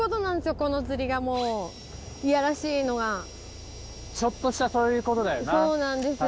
この釣りがもういやらしいのがちょっとしたそういうことだよなそうなんですよ